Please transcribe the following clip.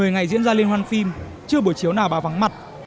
một mươi ngày diễn ra liên hoan phim chưa buổi chiếu nào bà vắng mặt